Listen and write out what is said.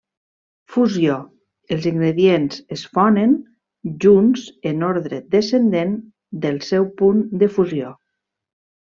Fusió: els ingredients es fonen junts en ordre descendent del seu punt de fusió.